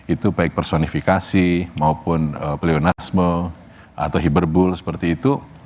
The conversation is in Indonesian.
itu baik personifikasi maupun pleonisme atau hiberbul seperti itu